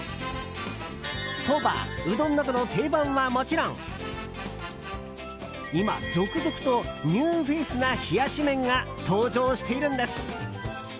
そば、うどんなどの定番はもちろん今、続々とニューフェースな冷やし麺が登場しているんです！